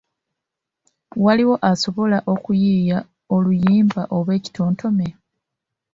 Waliwo asobola okuyiiya oluyimba oba ekitontome?